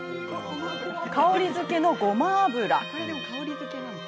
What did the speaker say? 香りづけのごま油。